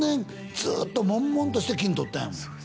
ずーっともんもんとして金とったんやもん